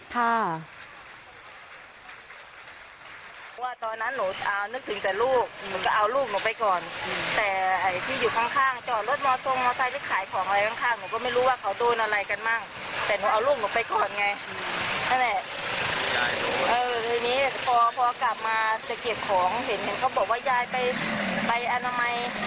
แฟนบอกว่าแบบว่าแกไปไม่ค่อยไหวนะและแกก็โดนขึ้นลุม